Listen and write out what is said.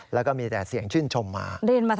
แล้วก็มีแต่เสียงชื่นชมมา